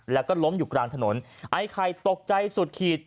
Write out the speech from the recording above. แล้วก็ล้มอยู่กลางถนนไอ้ไข่ตกใจสุดขีด